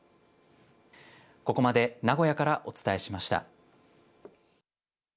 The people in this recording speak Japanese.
ここまで名古屋からお伝えしました。